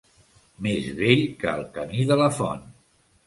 Més vell que el camí de la font.